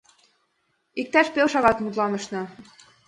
Иктаж пел шагат мутланышна.